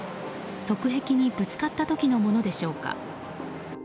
側壁にぶつかったときのものでしょうか。